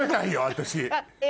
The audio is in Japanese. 私。